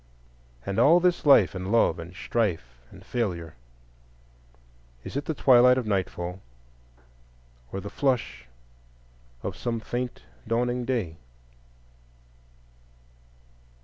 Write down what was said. And all this life and love and strife and failure,—is it the twilight of nightfall or the flush of some faint dawning day?